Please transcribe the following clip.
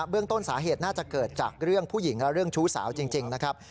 เรื่องต้นสาเหตุน่าจะเกิดจากเรื่องผู้หญิงและเรื่องชู้สาวจริงนะครับ